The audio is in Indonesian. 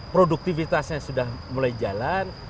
produktivitasnya sudah mulai jalan